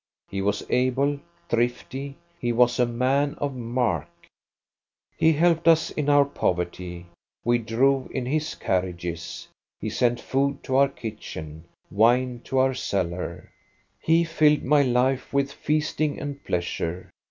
He was able, thrifty; he was a man of mark. 22 INTRODUCTION " He helped us in our poverty ; we drove in his carriages ; he sent food to our kitchen, wine to our cellar. He filled my life with feasting and pleasure.